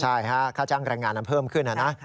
ใช่ฮะค่าจ้างแรงงานนั้นเพิ่มขึ้นนะนะ